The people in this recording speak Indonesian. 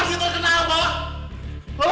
masih terkenal mbak